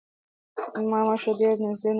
ما مشر ډېر د نزدې نه وليد څو ساعت پۀ ځائې ووم